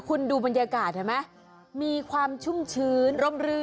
คุณดูบรรยากาศเห็นไหมมีความชุ่มชื้นร่มรื่น